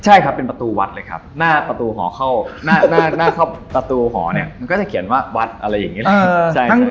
ใช่ครับเป็นประตูหอเลยหน้าประตูหอเข้าก็จะเขียนว่าวัดอะไรอย่างนี้ล่ะ